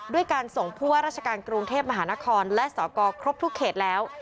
ด้วยการส่งผู้ว่าราชการกรุงเทพมหานครและสกครบทุกเขตแล้ว